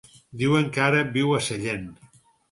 Diuen que ara viu a Sellent.